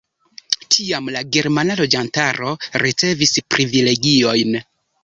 Tiam la germana loĝantaro ricevis privilegiojn.